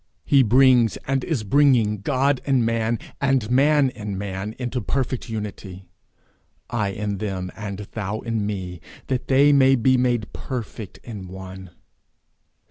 He brings and is bringing God and man, and man and man, into perfect unity: 'I in them and thou in me, that they may be made perfect in one.'